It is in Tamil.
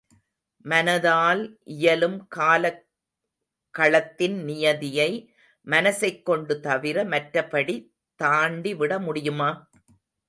மனதால் இயலும் காலக் களத்தின் நியதியை மனசைக் கொண்டு தவிர, மற்றபடித் தாண்டி விட முடியுமா?